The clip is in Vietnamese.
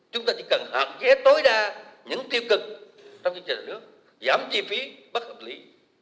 chúng ta chỉ cần hạn chế tối đa những tiêu cực trong chương trình nước giảm chi phí bất hợp lý